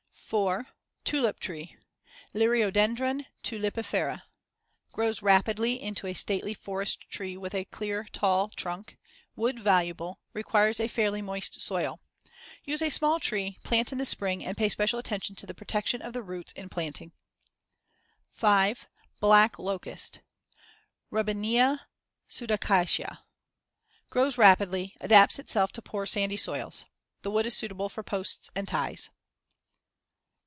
4. Tulip tree (Liriodendron tulipifera) Grows rapidly into a stately forest tree with a clear tall trunk; wood valuable; requires a fairly moist soil. Use a small tree, plant in the spring, and pay special attention to the protection of the roots in planting. 5. Black locust (Robinia pseudacacia) Grows rapidly; adapts itself to poor, sandy soils. The wood is suitable for posts and ties.